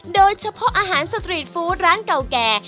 โดยเฉพาะอาหารสตรีทฟู้ดร้านเก่าแก่